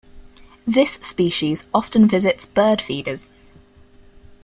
This species often visits bird feeders.